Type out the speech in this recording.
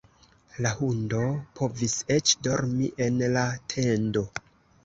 La hundo povis eĉ dormi en la tendo.